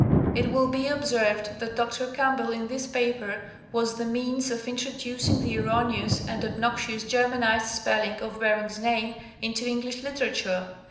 It will be observed that Dr. Campbell in this paper was the means of introducing the erroneous and obnoxious Germanized spelling of Ber ing's name into English literature.